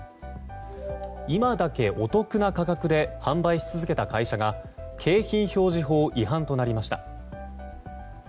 今だけお得な価格で販売し続けた会社が景品表示法違反となりました。